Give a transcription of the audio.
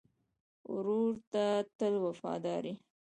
ورور ته تل وفادار یې.